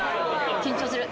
緊張する。